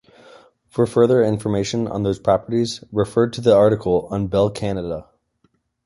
For further information on those properties, refer to the article on Bell Canada.